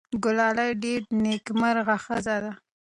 ګلالۍ ډېره نېکمرغه ښځه ده.